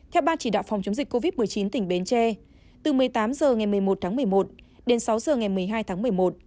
theo ban chỉ đạo phòng chống dịch covid một mươi chín tỉnh bến tre từ một mươi tám h ngày một mươi một tháng một mươi một đến sáu h ngày một mươi hai tháng một mươi một